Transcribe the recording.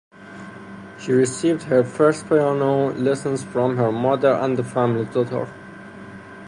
She received her first piano lessons from her mother and the family tutor.